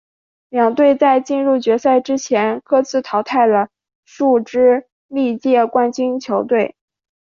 两队在进入决赛之前各自淘汰了数支历届冠军球队。